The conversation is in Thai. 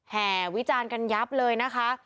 แห่วิจารณ์กันยับเลยนะคะ